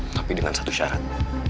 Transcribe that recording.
tapi dengan satu syarat